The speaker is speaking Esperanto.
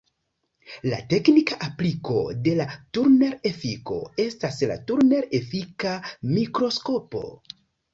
La teknika apliko de la tunel-efiko estas la tunel-efika mikroskopo.